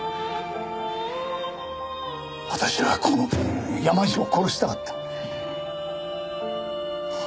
私はこの手で山路を殺したかった。